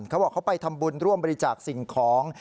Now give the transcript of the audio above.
เขาบอกเขาไปทำบุญร่วมบริจาคสิ่งของ